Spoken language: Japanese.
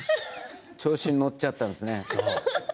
調子に乗っちゃったんですね。